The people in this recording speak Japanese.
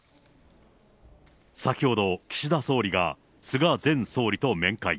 先ほど、岸田総理が菅前総理と面会。